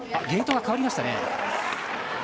ゲートが変わりましたね。